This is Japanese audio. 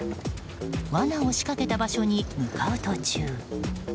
罠を仕掛けた場所に向かう途中。